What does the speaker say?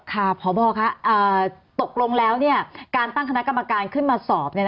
พบค่ะตกลงแล้วการตั้งคณะกรรมการขึ้นมาสอบ